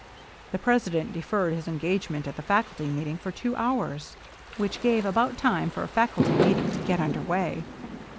The president deferred his engagement at the faculty meeting for two hours, — which gave about time for a faculty meeting to get under way.